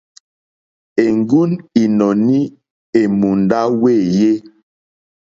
Èŋgúm ínɔ̀ní èmùndá wéèyé.